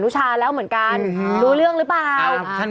ฉันว่าไง